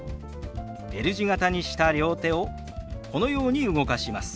Ｌ字形にした両手をこのように動かします。